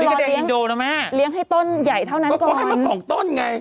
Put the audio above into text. ก็ให้มาห่องต้นไง